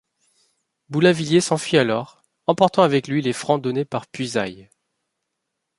Boulainvilliers s’enfuit alors, emportant avec lui les francs donnés par Puisaye.